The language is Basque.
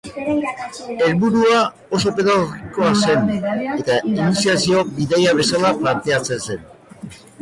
Helburua oso pedagogikoa zen eta iniziazio-bidaia bezala planteatzen zen.